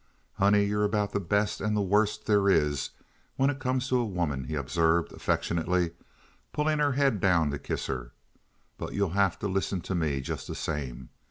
"Honey, you're about the best and the worst there is when it comes to a woman," he observed, affectionately, pulling her head down to kiss her, "but you'll have to listen to me just the same.